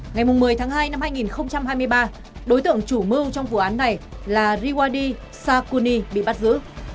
ngày một mươi tháng hai năm hai nghìn hai mươi ba đối tượng chủ mưu trong vụ án này là riwadi sakuni bị bắt giữ